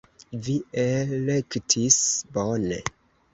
Vi elektis bone!